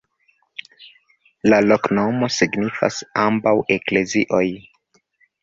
La loknomo signifas: ambaŭ eklezioj.